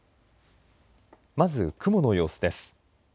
まず雲の様子です。